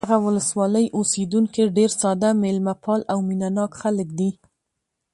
د دغه ولسوالۍ اوسېدونکي ډېر ساده، مېلمه پال او مینه ناک خلک دي.